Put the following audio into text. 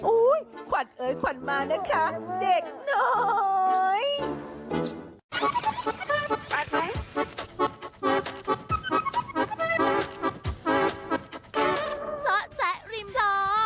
อุ๊ยขวัดเอ๋ยขวัดมานะคะเด็กหน่อย